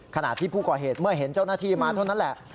ขณะที่ผู้ก่อเหตุเมื่อเห็นเจ้าหน้าที่มาเท่านั้นแหละ